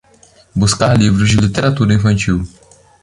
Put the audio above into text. Buscar livros de literatura infantil